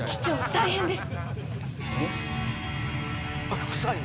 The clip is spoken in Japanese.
大変です。